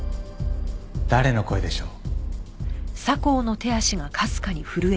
誰の声でしょう？